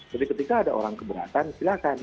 jadi ketika ada orang keberatan silakan